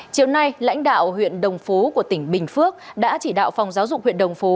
chiều nay lãnh đạo huyện đồng phú của tỉnh bình phước đã chỉ đạo phòng giáo dục huyện đồng phú